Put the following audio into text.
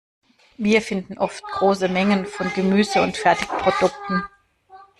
Wir finden oft große Mengen von Gemüse und Fertigprodukten.